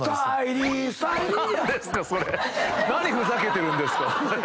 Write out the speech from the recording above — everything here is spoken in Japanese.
何ふざけてるんですか？